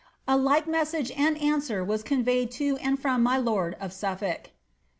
A like message and answer was conveyed to and from my lord ofSuflblk."